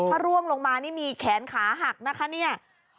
ถ้าร่วงลงมานี่มีแขนขาหักนะคะเนี่ย